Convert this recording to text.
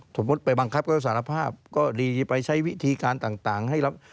สมมุติไปบังคับก็สารภาพก็ดีไปใช้วิธีการต่างให้รับ